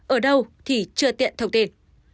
ở đâu thì chưa tiện thông tin